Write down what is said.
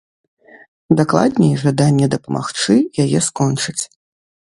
Дакладней, жаданне дапамагчы яе скончыць.